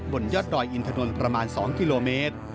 บนยอดดอยอินถนนประมาณ๒กิโลเมตร